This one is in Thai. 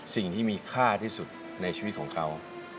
สิ่งที่มีค่าที่สุดในชีวิตของเขา